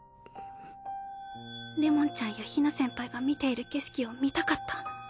れもんちゃんやひな先輩が見ている景色を見たかった。